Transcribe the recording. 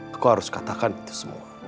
aku harus katakan itu semua